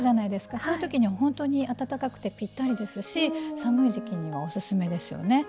そういうときに本当に暖かくてぴったりですし寒い時期にはおすすめですよね。